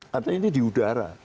katanya ini di udara